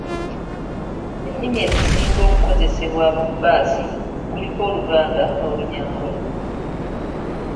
Ennimi ezisinga okukozesebwa mu bbaasi kuliko Oluganda n’Olunyankole.